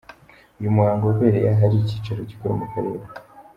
Uyu muhango wabereye ahari icyicaro gikuru mu Karere.